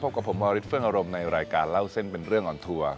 กับผมวาริสเฟื่องอารมณ์ในรายการเล่าเส้นเป็นเรื่องออนทัวร์